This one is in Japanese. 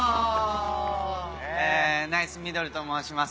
えナイスミドルと申します。